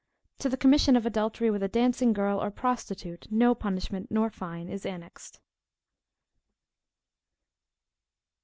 To the commission of adultery with a dancing girl, or prostitute, no punishment nor fine is annexed.